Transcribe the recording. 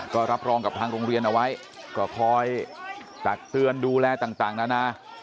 ก็รับรองกับทางโรงเรียนเอาไว้ก็คอยตักเตือนดูแลต่างนานา